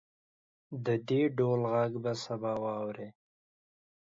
د دې ډول غږ به سبا ته واورئ